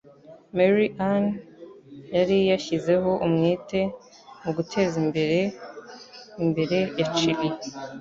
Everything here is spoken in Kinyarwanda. Mary Ann yari yashyizeho umwete mugutezimbere imbere ya chilly